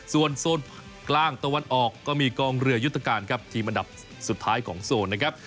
ส่วนโซนกลางตะวันออกก็มีกองเรือยุทธการครับทีมอันดับสุดท้ายของโซนนะครับ